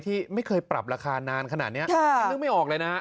ที่ไม่เคยปรับราคานานขนาดนี้ยังนึกไม่ออกเลยนะ